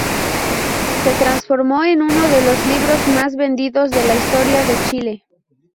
Se transformó en uno de los libros más vendidos de la historia de Chile.